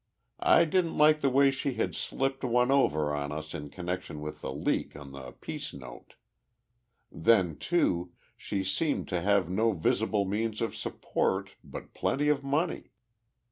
I didn't like the way she had slipped one over on us in connection with the leak on the peace note. Then, too, she seemed to have no visible means of support, but plenty of money.